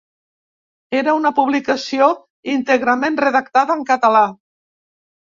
Era una publicació íntegrament redactada en català.